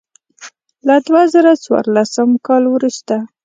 له دوه زره څوارلسم کال وروسته.